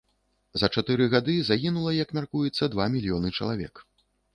За чатыры гады загінула, як мяркуецца, два мільёны чалавек.